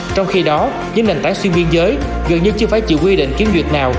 trong khi đó những nền tảng xuyên biên giới gần như chưa phải chịu quy định kiếm việc nào